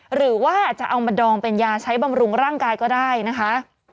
หรือว่าอาจจะเอามาดองเป็นยาใช้บำรุงร่างกายก็ได้นะคะ